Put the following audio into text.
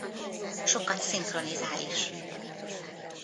Sokat szinkronizál is.